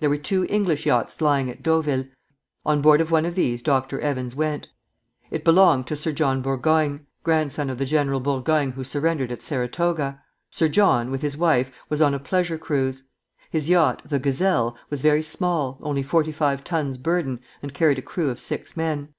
There were two English yachts lying at Deauville. On board of one of these Dr. Evans went. It belonged to Sir John Burgoyne, grandson of the General Burgoyne who surrendered at Saratoga. Sir John, with his wife, was on a pleasure cruise. His yacht, the "Gazelle," was very small, only forty five tons' burden, and carried a crew of six men.